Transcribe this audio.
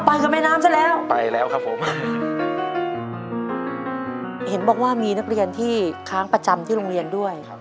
กับแม่น้ำซะแล้วไปแล้วครับผมเห็นบอกว่ามีนักเรียนที่ค้างประจำที่โรงเรียนด้วยครับ